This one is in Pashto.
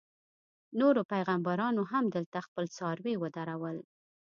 نورو پیغمبرانو هم دلته خپل څاروي ودرول.